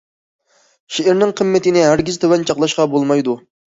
شېئىرنىڭ قىممىتىنى ھەرگىز تۆۋەن چاغلاشقا بولمايدۇ.